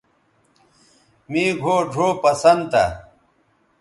مے گھؤ ڙھؤ پسند تھا